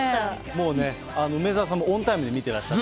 もうね、梅沢さんもオンタイムで見てらっしゃって。